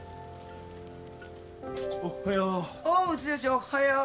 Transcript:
おはよう。